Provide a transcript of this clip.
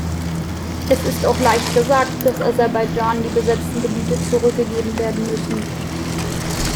Es ist auch leicht gesagt, dass Aserbaidschan die besetzten Gebiete zurückgegeben werden müssen.